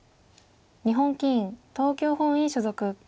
日本棋院東京本院所属。